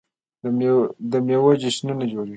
د میوو جشنونه جوړیږي.